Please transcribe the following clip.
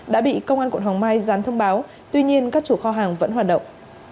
đã bị công an quận hóng mai dán thông báo tuy nhiên các chủ kho hàng vẫn hoạt động